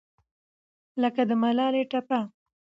لکه د ملالې ټپه